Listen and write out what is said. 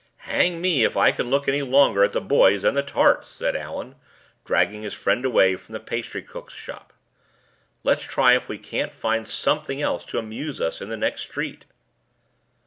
"Hang me if I can look any longer at the boys and the tarts!" said Allan, dragging his friend away from the pastry cook's shop. "Let's try if we can't find something else to amuse us in the next street."